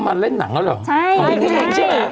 มาเล่นหนังแล้วเหรอถูกพี่เห็นใช่ไหมใช่